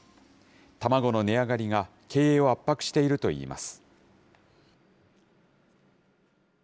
卵の値上がりが経営を圧迫しているといいます。